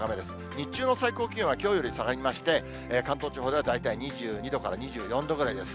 日中の最高気温はきょうより下がりまして、関東地方では大体２２度から２４度ぐらいです。